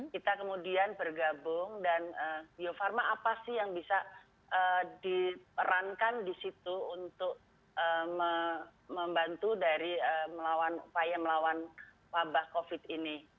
kita kemudian bergabung dan bio farma apa sih yang bisa diperankan disitu untuk membantu dari upaya melawan wabah covid sembilan belas ini